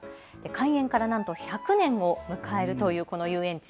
開園からなんと１００年を迎えるというこの遊園地。